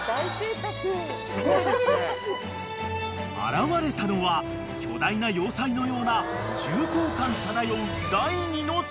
［現れたのは巨大な要塞のような重厚感漂う］